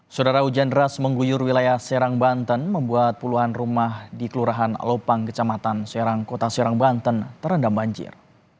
saudara hujan deras mengguyur wilayah serang banten membuat puluhan rumah di kelurahan lopang kecamatan serang kota serang banten terendam banjir